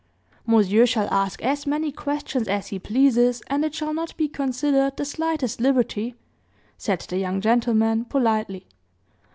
"Monsieur shall ask as many questions as he pleases, and it shall not be considered the slightest liberty," said the young gentleman, politely.